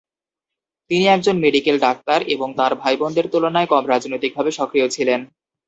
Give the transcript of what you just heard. তিনি একজন medical doctor এবং তার ভাইবোনদের তুলনায় কম রাজনৈতিকভাবে সক্রিয় ছিলেন।